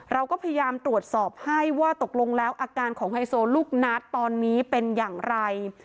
เราก็พยายามตรวจสอบให้ว่าตกลงแล้วอาการของไฮโซลูกนัทตอนนี้เป็นอย่างไร